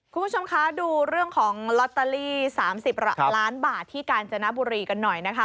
คุณผู้ชมคะดูเรื่องของลอตเตอรี่๓๐ล้านบาทที่กาญจนบุรีกันหน่อยนะคะ